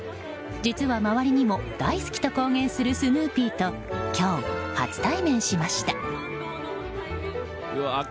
実は、周りにも大好きと公言するスヌーピーと今日、初対面しました。